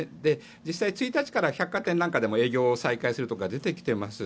実際、１日から百貨店などでも営業再開するところが出てきています。